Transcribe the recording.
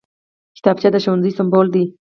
کتابچه د ښوونځي سمبول دی